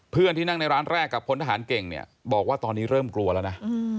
เพื่อนที่นั่งในร้านแรกกับพลทหารเก่งเนี่ยบอกว่าตอนนี้เริ่มกลัวแล้วนะ